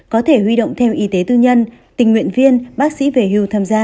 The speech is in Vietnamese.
có thể huy động thêm y tế tư nhân tình nguyện viên bác sĩ về hưu tham gia